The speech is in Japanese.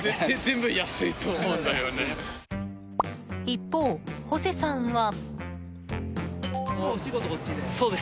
一方、ホセさんは？